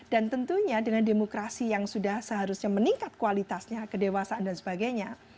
dan tentunya dengan demokrasi yang sudah seharusnya meningkat kualitasnya kedewasaan dan sebagainya